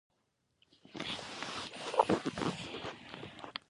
خپلواکي د آزاد ژوند لپاره اساسي شرط دی.